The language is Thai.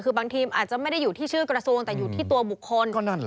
คือบางทีอาจจะไม่ได้อยู่ที่ชื่อกระทรวงแต่อยู่ที่ตัวบุคคล